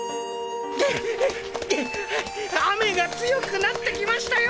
グッ雨が強くなってきましたよ